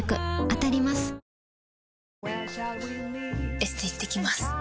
エステ行ってきます。